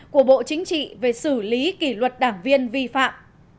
của bộ chính trị về xử lý kỷ luật đảng viên vi phạm